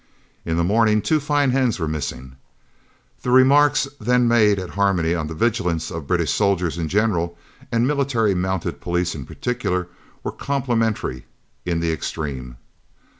In the morning two fine hens were missing! The remarks then made at Harmony on the vigilance of British soldiers in general and Military Mounted Police in particular were complimentary in the extreme.